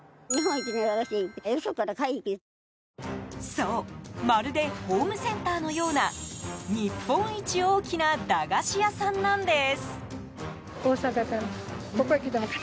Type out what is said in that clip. そう、まるでホームセンターのような日本一大きな駄菓子屋さんなんです！